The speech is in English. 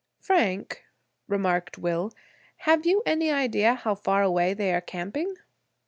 "Frank," remarked Will, "have you any idea how far away they are camping?"